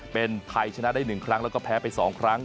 เป็นไทยชนะได้๑ครั้งแล้วก็แพ้ไป๒ครั้ง